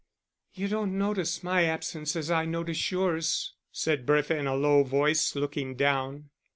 "You don't notice my absence as I notice yours," said Bertha in a low voice, looking down.